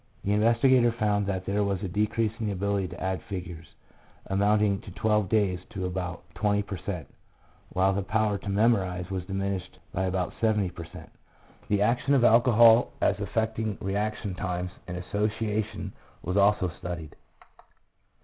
This investigator found that there was a decrease in the ability to add figures, amounting in twelve days to about 20 per cent., while the power to memorize was diminished by about 70 per cent. The action of alcohol as affecting reaction times and 'association' was also studied.